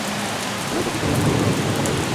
বিনয় চকিত হইয়া কহিল, সব কথাই শুনেছ!